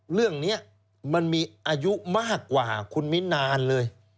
เรื่องนี้มันมีอายุมากกว่าคุณมิ้นนานเลย